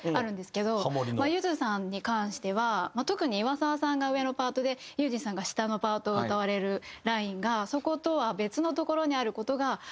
ゆずさんに関しては特に岩沢さんが上のパートで悠仁さんが下のパートを歌われるラインがそことは別のところにある事が多いなって感じるんですけど。